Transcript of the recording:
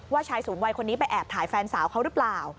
ชายสูงวัยคนนี้ไปแอบถ่ายแฟนสาวเขาหรือเปล่า